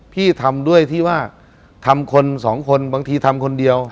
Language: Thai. พี่ทำด้วยที่ว่าทำคนสองคนบางทีทำคนเดียว